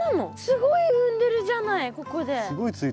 すごい産んでるじゃないここで。